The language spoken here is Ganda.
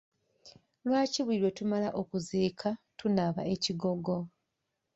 Lwaki buli lwe tumala okuziika tunaaba ekigogo?